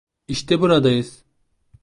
İşte buradayız.